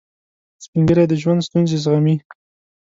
سپین ږیری د ژوند ستونزې زغمي